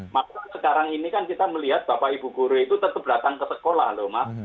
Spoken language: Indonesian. maka sekarang ini kan kita melihat bapak ibu guru itu tetap datang ke sekolah loh mas